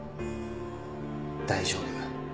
「大丈夫。